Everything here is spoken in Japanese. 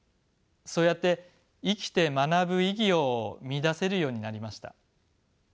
そうやって生きて学ぶ意義を見いだせるようになりました。